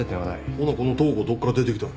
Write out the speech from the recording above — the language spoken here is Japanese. ほなこの東郷どっから出てきたんや？